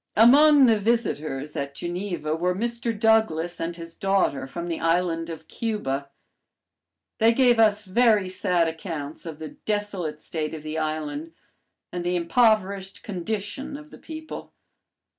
Among the visitors at Geneva were Mr. Douglass and his daughter from the island of Cuba. They gave us very sad accounts of the desolate state of the island and the impoverished condition of the people.